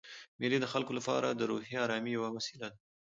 مېلې د خلکو له پاره د روحي آرامۍ یوه وسیله ده.